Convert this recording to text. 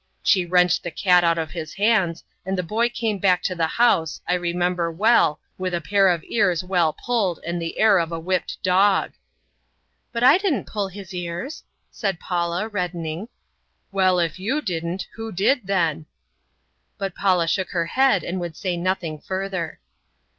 She wrenched the cat out of his hands, and the boy came back to the house, I remember well, with a pair of ears well pulled and the air of a whipped dog." "But I didn't pull his ears," said Paula, reddening. "Well, if you didn't, who did, then?" But Paula shook her head and would say nothing further.